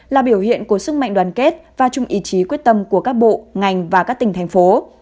là biểu hiện của sức mạnh đoàn kết và chung ý chí quyết tâm của các bộ ngành và các tỉnh thành phố